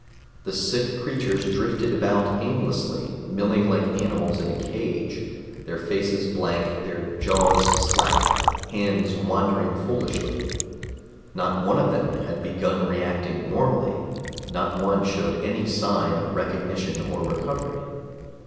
The sick creatures drifted about aimlessly, milling like animals in a cage, their faces blank, their jaws slack, hands wandering foolishly. Not one of them had begun reacting normally, not one showed any sign of recognition or recovery.